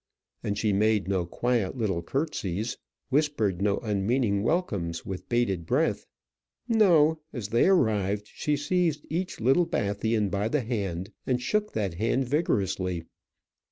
And she made no quiet little curtsies, whispered no unmeaning welcomes with bated breath. No; as they arrived she seized each Littlebathian by the hand, and shook that hand vigorously.